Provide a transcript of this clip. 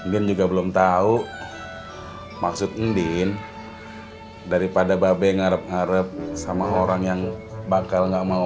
din juga belum tahu maksud mbak be daripada mbak be ngarep ngarep sama orang yang bakal nggak mau